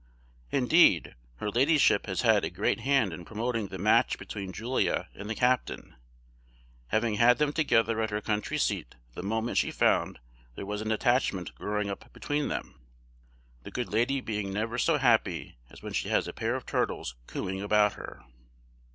Indeed, her ladyship has had a great hand in promoting the match between Julia and the captain, having had them together at her country seat the moment she found there was an attachment growing up between them: the good lady being never so happy as when she has a pair of turtles cooing about her.